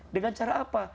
dengan cara apa